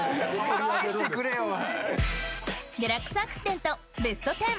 「返してくれよ！」は。